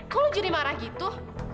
kok lo jadi marah gitu